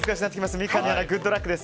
三上アナ、グッドラックです。